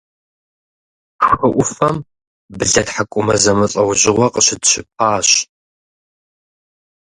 Хы ӏуфэм блэтхьэкӏумэ зэмылӏэужьыгъуэ къыщытщыпащ.